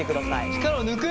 力を抜く。